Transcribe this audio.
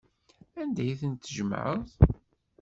Anda ay tent-tjemɛeḍ?